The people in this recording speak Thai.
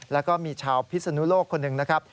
แล้วก็มีชาวพิศนุโลกคนหนึ่งนะครับ